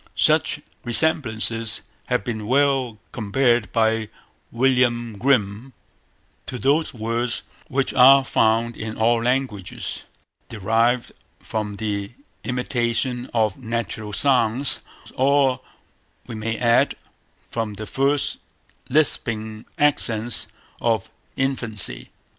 Such resemblances have been well compared by William Grimm, to those words which are found in all languages derived from the imitation of natural sounds, or, we may add, from the first lisping accents of infancy.